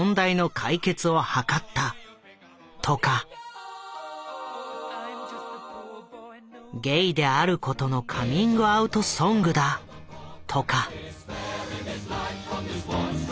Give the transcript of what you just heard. いわく「ゲイであることのカミングアウトソングだ」とか。